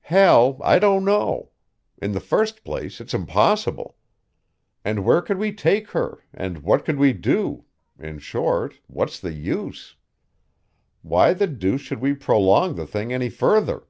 "Hal, I don't know. In the first place, it's impossible. And where could we take her and what could we do in short, what's the use? Why the deuce should we prolong the thing any further?